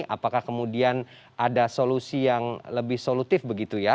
apakah kemudian ada solusi yang lebih solutif begitu ya